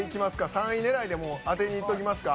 ３位狙いでもう当てにいっときますか？